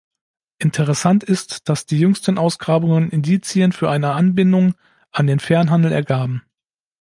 Interessant ist, dass die jüngsten Ausgrabungen Indizien für eine Anbindung an den Fernhandel ergaben.